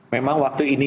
memang waktu ini